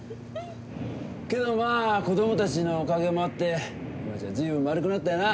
けどまあ子供たちのおかげもあって今じゃ随分丸くなったよな。